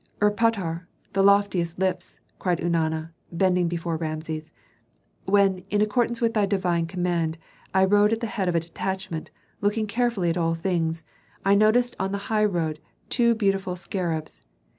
"Erpatr, the loftiest lips," cried Eunana, bending before Rameses. "When, in accordance with thy divine command, I rode at the head of a detachment, looking carefully at all things, I noticed on the highroad two beautiful scarabs.